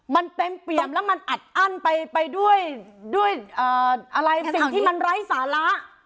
มันเต็มเปี่ยมแล้วมันอัดอั้นไปด้วยอะไรสิ่งที่มันไร้สาระ